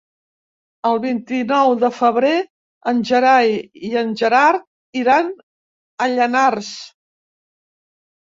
El vint-i-nou de febrer en Gerai i en Gerard iran a Llanars.